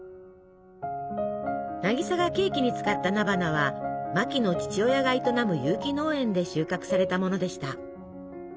渚がケーキに使った菜花はマキの父親が営む有機農園で収穫されたものでした。